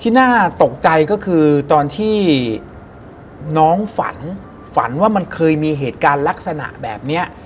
น่าตกใจก็คือตอนที่น้องฝันฝันว่ามันเคยมีเหตุการณ์ลักษณะแบบนี้